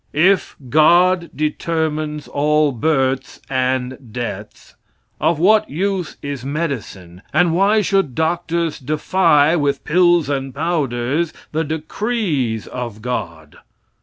If "God" determines all births and deaths, of what use is medicine, and why should doctors defy, with pills and powders, the decrees of "God"?